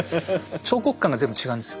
彫刻官が全部違うんですよ。